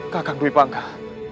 kakak duit panggah